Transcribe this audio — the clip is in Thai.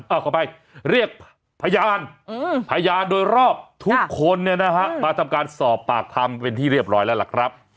เอาขออภัยเรียกพยานพยานโดยรอบทุกคนเนี่ยนะฮะมาทำการสอบปากคำเป็นที่เรียบร้อยแล้วล่ะครับ